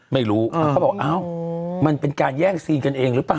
ไม่รู้เขาบอกอ้าวมันเป็นการแย่งซีนกันเองหรือเปล่า